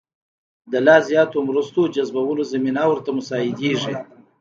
لا زیاتو مرستو جذبولو زمینه ورته مساعدېږي.